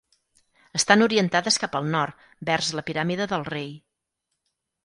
Estan orientades cap al nord, vers la piràmide del rei.